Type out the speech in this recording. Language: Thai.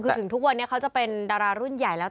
คือถึงทุกวันนี้เขาจะเป็นดารารุ่นใหญ่แล้ว